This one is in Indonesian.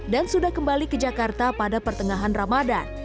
dan sudah kembali ke jakarta pada pertengahan ramadan